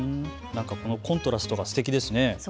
コントラストがすてきですね。